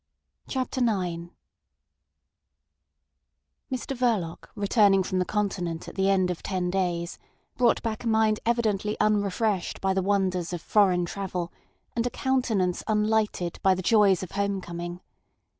CHAPTER IX Mr Verloc returning from the Continent at the end of ten days, brought back a mind evidently unrefreshed by the wonders of foreign travel and a countenance unlighted by the joys of home coming.